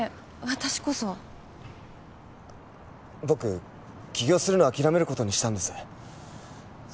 私こそ僕起業するの諦めることにしたんです